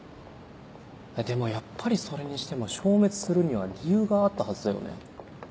でもやっぱりそれにしても消滅するには理由があったはずだよね？